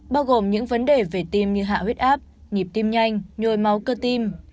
bao gồm những vấn đề về tim như hạ huyết áp nhịp tim nhanh nhồi máu cơ tim